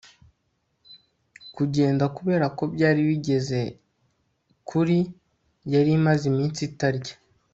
kugenda kubera ko byari bigeze kuri, yari imaze iminsi itarya